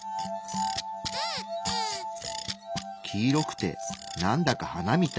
黄色くてなんだか花みたい。